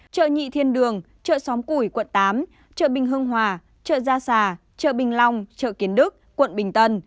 chợ nhị thiên đường chợ xóm củi quận tám chợ bình hưng hòa chợ gia xà chợ bình long chợ kiến đức quận bình tân